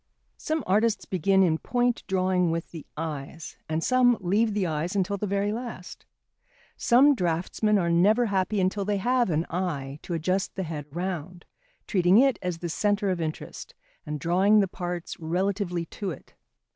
Some artists begin in point drawing with the eyes, and some leave the eyes until the very last. Some draughtsmen are never happy until they have an eye to adjust the head round, treating it as the centre of interest and drawing the parts relatively to it.